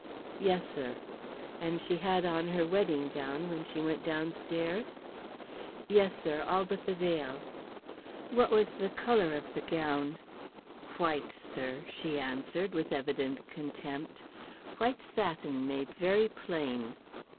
"Yes, sir." "And she had on her wedding gown when she went downstairs?" "Yes, sir, all but the veil." "What was the colour of the gown?" "White, sir," she answered, with evident contempt. "White satin made very plain."